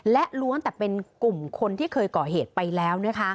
และล้วนแต่เป็นกลุ่มคนที่เคยก่อเหตุไปแล้ว